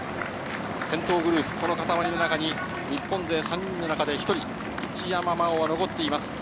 先頭グループ、この固まりの中に日本勢３人の中で、１人、一山麻緒が残っています。